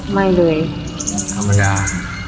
ไม่เลยธรรมดา